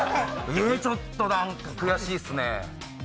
ちょっとなんか悔しいですね。